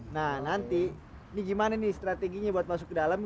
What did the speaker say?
nah nanti ini gimana nih strateginya buat masuk ke dalam